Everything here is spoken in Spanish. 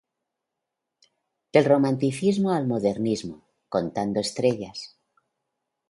Del Romanticismo al Modernismo, "Contando estrellas".